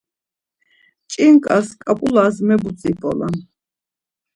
Ç̌inkas ǩap̌ulas mebutzip̌olam.